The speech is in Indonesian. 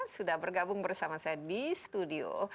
sudah bergabung bersama saya di studio